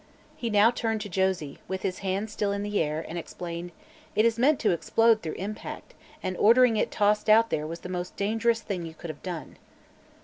He now turned to Josie, with his hands still in the air, and explained: "It is meant to explode through impact, and ordering it tossed out there was the most dangerous thing you could have done."